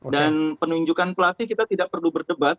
dan penunjukan pelatih kita tidak perlu berdebat